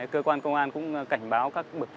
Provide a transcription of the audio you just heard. cơ quan công an cũng cảnh báo các bậc